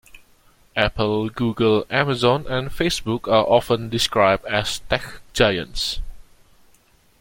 Apple, Google, Amazon and Facebook are often described as tech giants.